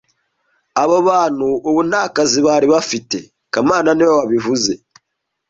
Abo bantu ubu nta kazi bari bafite kamana niwe wabivuze